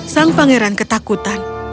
sang pangeran ketakutan